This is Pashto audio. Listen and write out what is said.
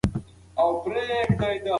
ډیجیټل ډیټابیس د ژبې د پرمختګ بنسټ دی.